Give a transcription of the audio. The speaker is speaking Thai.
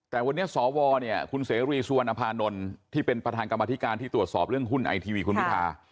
แต่วันนี้สวเนี่ยคุณเสรีสุวรรณภานนท์ที่เป็นประธานกรรมธิการที่ตรวจสอบเรื่องหุ้นไอทีวีคุณพิธา